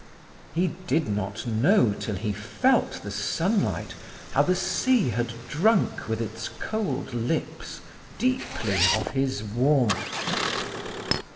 He did not know till he felt the sunlight how the sea had drunk with its cold lips deeply of his warmth.